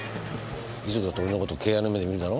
遺族だって俺の事敬愛の目で見るだろ？